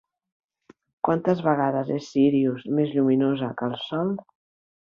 Quantes vegades és Sírius més lluminosa que el sol?